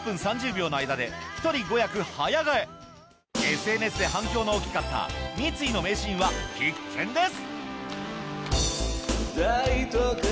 ＳＮＳ で反響の大きかった三井の名シーンは必見です！